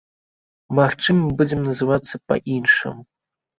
Магчыма, будзем называцца па-іншаму.